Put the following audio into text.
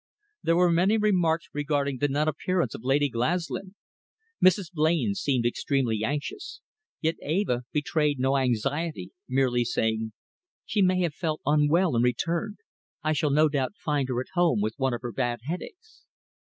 There were many remarks regarding the non appearance of Lady Glaslyn. Mrs. Blain seemed extremely anxious, yet Eva betrayed no anxiety, merely saying "She may have felt unwell and returned. I shall no doubt find her at home with one of her bad headaches."